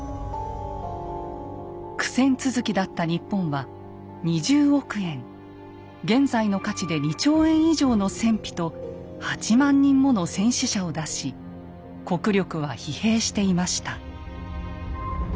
苦戦続きだった日本は２０億円現在の価値で２兆円以上の戦費と８万人もの戦死者を出し国力は疲弊していました。